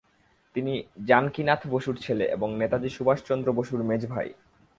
তিনি জানকীনাথ বসুর ছেলে এবং নেতাজী সুভাষ চন্দ্র বসুর মেজ ভাই।